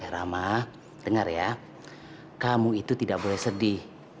eh rama denger ya kamu itu tidak boleh sedih